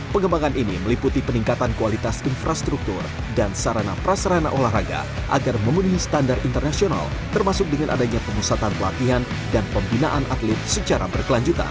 pengembangan ini meliputi peningkatan kualitas infrastruktur dan sarana prasarana olahraga agar memenuhi standar internasional termasuk dengan adanya pemusatan pelatihan dan pembinaan atlet secara berkelanjutan